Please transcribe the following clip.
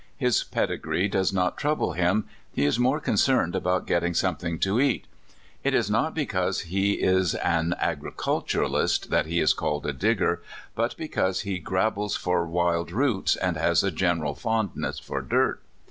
His pedigree does not trouble him ; he is more concerned about getting something to eat. It is not because he is an agri culturist that he is called a Digger, but because he grabbles for wild roots and has a general fond ness for dirt.